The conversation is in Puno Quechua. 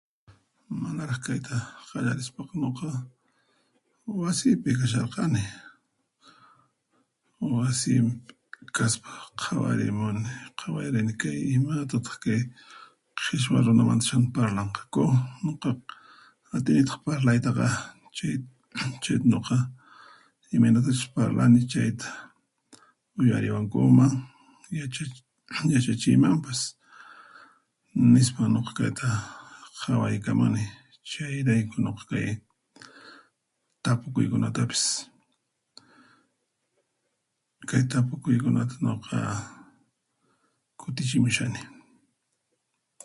Manaraq kayta qallarispaqa nuqa, wasiypi kasharqani, wasiypi kaspa qhawarimuni qhawarini kay imatataq kay qhichwa runamantachuhina parlaqakú nuqa atinitaq parlaytaqá chay chay nuqa imaynatachus parlani chayta uyarimunkuman, yacha yachachiymanpas nispsa nuqa kayta qhawaykamuni chayrayku kay tapukuykunatapas kay tapukuykunata nuqa kutichimushani.